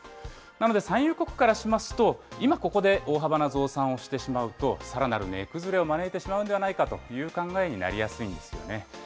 なので産油国からしますと、今ここで大幅な増産をしてしまうと、さらなる値崩れを招いてしまうんではないかという考えになりやすいんですよね。